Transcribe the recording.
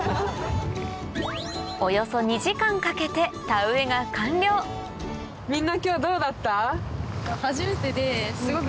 およそ２時間かけてみんな今日どうだった？